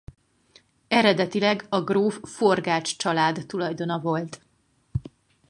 Eredetileg a gróf Forgách család tulajdona volt.